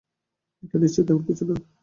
এটা নিশ্চয়ই তেমন কিছু না।